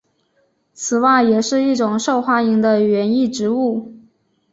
此外也是一种受欢迎的园艺植物。